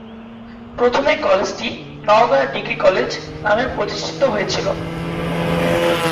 প্রথমে কলেজটি "Naogaon degree college" নামে প্রতিষ্ঠিত হয়েছিল।